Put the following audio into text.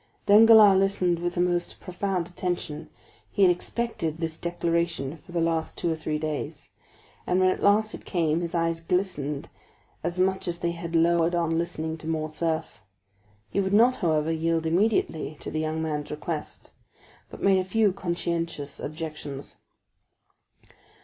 Danglars listened with the most profound attention; he had expected this declaration for the last two or three days, and when at last it came his eyes glistened as much as they had lowered on listening to Morcerf. He would not, however, yield immediately to the young man's request, but made a few conscientious objections.